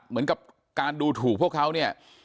เหมือนกับการดูถูกพวกเขาเนี่ย